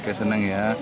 oke seneng ya